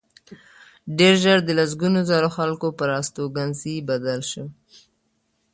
ډېر ژر د لسګونو زرو خلکو پر استوګنځي بدل شو